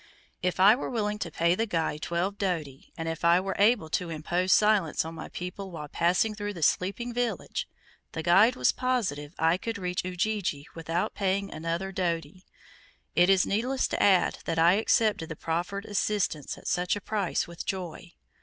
If I were willing to pay the guide twelve doti, and if I were able to impose silence on my people while passing through the sleeping village, the guide was positive I could reach Ujiji without paying another doti. It is needless to add, that I accepted the proffered assistance at such a price with joy.